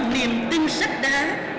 niềm tin sắc đá